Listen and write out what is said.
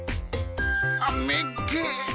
あっ、めっけ！